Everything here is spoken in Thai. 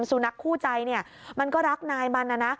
สุนัขคู่ใจเนี่ยมันก็รักนายมันนะนะ